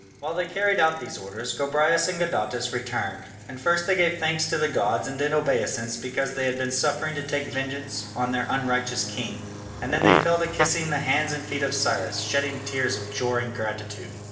While they carried out these orders, Gobryas and Gadatas returned, and first they gave thanks to the gods and did obeisance because they had been suffered to take vengeance on their unrighteous king, and then they fell to kissing the hands and feet of Cyrus, shedding tears of joy and gratitude.